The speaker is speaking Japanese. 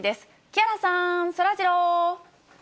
木原さん、そらジロー。